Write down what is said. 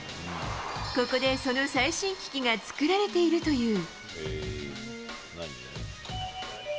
ここでその最新機器が作られているという。